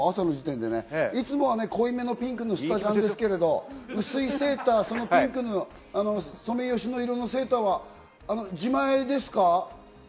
いつもは濃いめのピンクのスタジャンですけれど、薄いセーター、そのピンクのソメイヨシノ色のセーターは自前ですか？